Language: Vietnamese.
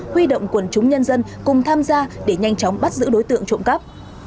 huy động quần chúng nhân dân cùng tham gia để nhanh chóng bắt giữ đối tượng trộm cắp